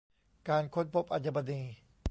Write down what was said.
การค้นพบอัญมณี